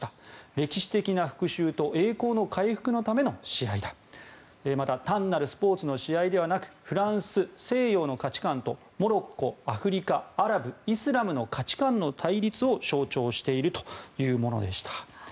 歴史的な復しゅうと栄光の回復のための試合だまた単なるスポーツの試合ではなくフランス、西洋の価値観とモロッコ、アフリカ、アラブイスラムの価値観の対立を象徴しているというものでした。